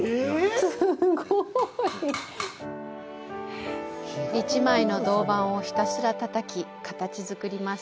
すごい！一枚の銅板をひたすらたたき、形作ります。